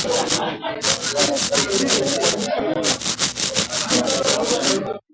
Ndigana kali ni ugonjwa wa mfumo wa upumuaji kwa ngombe